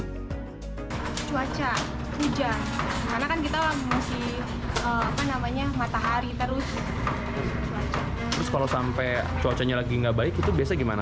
terus kalau sampai cuacanya lagi nggak baik itu biasa gimana